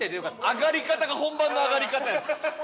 あがり方が本番のあがり方やった。